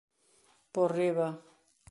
Por riba.